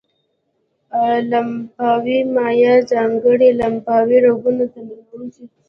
لمفاوي مایع ځانګړو لمفاوي رګونو ته ننوزي.